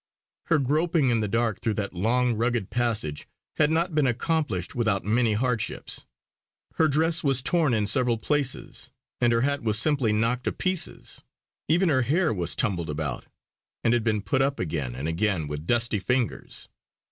Her groping in the dark through that long rugged passage had not been accomplished without many hardships. Her dress was torn in several places, and her hat was simply knocked to pieces; even her hair was tumbled about, and had been put up again and again with dusty fingers.